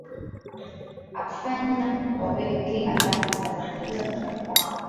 afanya waweke alama za viulizo vichwani mwao